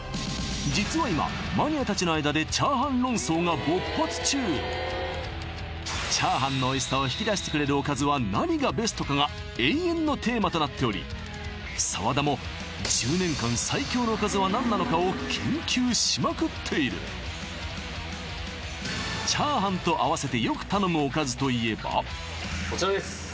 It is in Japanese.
実は今マニア達の間で炒飯論争が勃発中炒飯のおいしさを引き出してくれるおかずは何がベストかが永遠のテーマとなっており澤田も１０年間最強のおかずは何なのかを研究しまくっている炒飯と合わせてこちらです